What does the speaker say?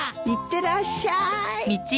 いってらっしゃい！